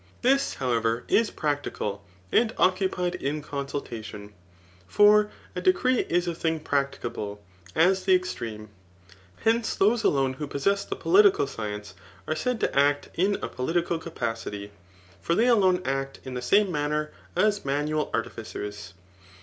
This, however, is practical, and occupied in consultation ; for a decree is a thing practicable as the extreme/ Hence those alone who possess the political science are said to act in a political capacity ; for they alone act in die same manner as manual artificers.